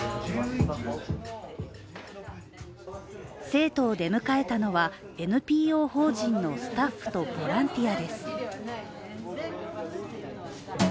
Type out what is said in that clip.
生徒を出迎えたのは、ＮＰＯ法人のスタッフとボランティアです。